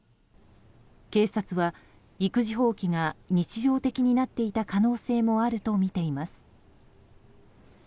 警察は育児放棄が日常的になっていた可能性もあるとみています。